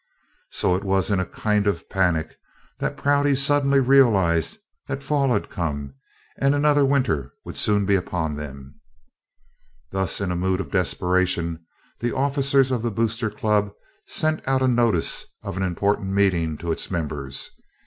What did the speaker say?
So it was in a kind of panic that Prouty suddenly realized that fall had come and another winter would soon be upon them. Thus, in a mood of desperation, the officers of the Boosters Club sent out notice of an important meeting to its members.